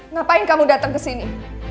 ngapain kamu datang ke sini